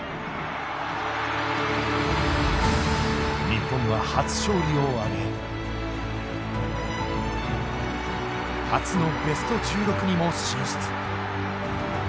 日本は初勝利を挙げ初のベスト１６にも進出。